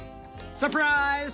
サプライズ！